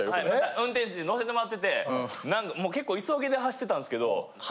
運転手に乗せてもらってて結構急ぎで走ってたんすけど。